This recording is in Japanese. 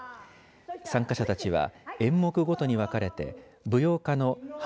参加者たちは演目ごとに別れて舞踊家の花